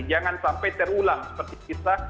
jangan sampai terulang seperti kita